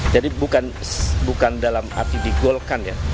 jadi bukan dalam arti digolokan ya